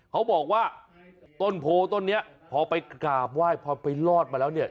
เขาบอกว่าต้นโพต้นนี้พอไปกราบไหว้พอไปรอดมาแล้วเนี่ย